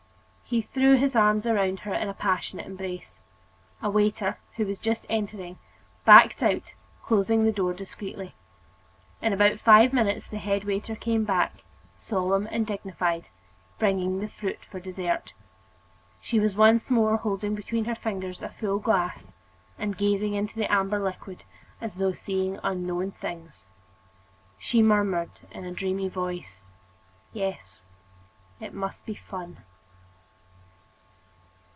He threw his arms around her in a passionate embrace. A waiter, who was just entering, backed out, closing the door discreetly. In about five minutes the head waiter came back, solemn and dignified, bringing the fruit for dessert. She was once more holding between her fingers a full glass, and gazing into the amber liquid as though seeking unknown things. She murmured in a dreamy voice: "Yes, it must be fun!"